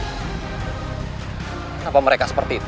kenapa mereka seperti itu